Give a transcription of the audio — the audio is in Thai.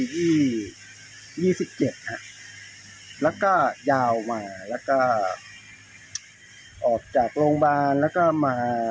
ยี่ยี่สิบเจ็ดฮะแล้วก็ยาวมาแล้วก็ออกจากโรงพยาบาลแล้วก็มา